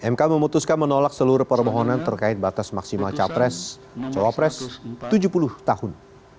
mk memutuskan menolak seluruh permohonan terkait batas maksimal capres cawapres tujuh puluh tahun